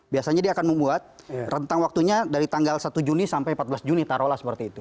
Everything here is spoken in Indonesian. biasanya dia akan membuat rentang waktunya dari tanggal satu juni sampai empat belas juni taruhlah seperti itu